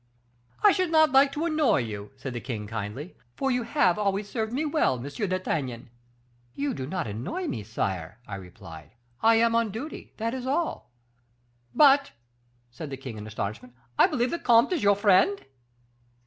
"'I should not like to annoy you,' said the king, kindly, 'for you have always served me well, Monsieur D'Artagnan.' "'You do not "annoy" me, sire,' I replied; 'I am on duty, that is all.' "'But,' said the king, in astonishment, 'I believe the comte is your friend?